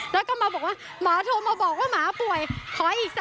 แล้วก็ตอนนี้รายได้พี่ป้อมไม่มี